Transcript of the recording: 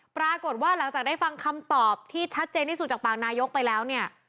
ปรากฏว่าหลังจากได้ฟังคำตอบที่ชัดเจนที่สุดจากปากนายกไปแล้วเนี่ย